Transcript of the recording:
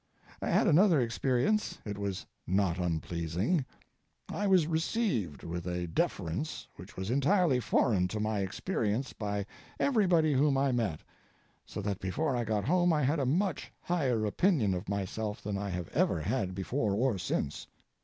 I had another experience. It was not unpleasing. I was received with a deference which was entirely foreign to my experience by everybody whom I met, so that before I got home I had a much higher opinion of myself than I have ever had before or since.